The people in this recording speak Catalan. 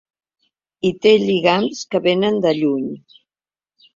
Hi té lligams que vénen de lluny.